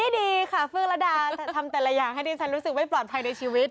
ดีค่ะเฟื่องระดาทำแต่ละอย่างให้ดิฉันรู้สึกไม่ปลอดภัยในชีวิต